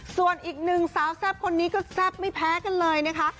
ส่วนอีกหนึ่งสาวแซ่บคนนี้ก็แซ่บไม่แพ้กันเลยนะคะ